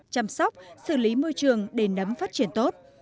chăm sóc xử lý môi trường để nấm phát triển tốt